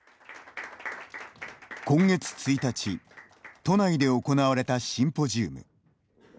今月１日都内で行われたシンポジウム。